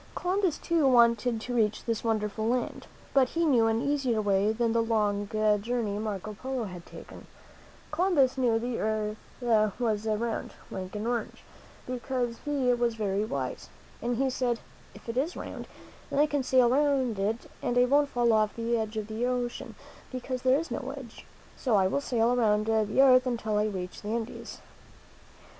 Columbus, too, wanted to reach this wonderful land. But he knew an easier way than the long (C^ 15 MEN WHO FOUND AMERICA 0" «Ji ikik M fi& journey Marco Polo had taken. Columbus knew that the earth was round, like an orange, because he was very wise. And he said, "If it is round, then I can sail around it and I won't fall off the edge of the ocean, because there is no edge. So I will sail around the earth until I reach the Indies."